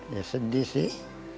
ya sedih sih